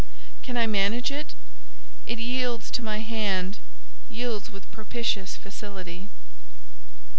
Can I manage it? It yields to my hand, yields with propitious facility.